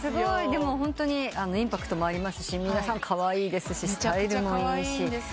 でもホントにインパクトもありますし皆さんカワイイですしスタイルもいいし。